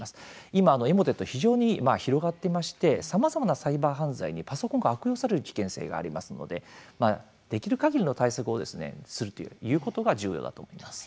今エモテット非常に広がっていましてさまざまなサイバー犯罪にパソコンが悪用される危険性がありますのでできる限りの対策をするということが重要だと思います。